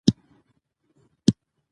افتخارات د واک لرونکو په ګټه تمام سول.